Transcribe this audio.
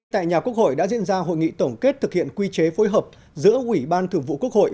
tại nhà quốc hội đã diễn ra hội nghị tổng kết thực hiện quy chế phối hợp giữa ủy ban thường vụ quốc hội